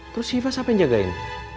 terus siva siapa yang jagain